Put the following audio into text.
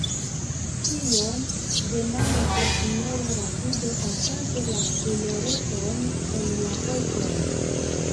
« Kion?», demandis la sinjoro, rapide kaŝante la kulereton en la poŝon.